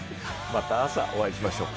また朝、お会いしましょう。